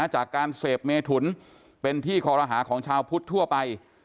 จากการเสพเมถุนเป็นที่คอรหาของชาวพุทธทั่วไป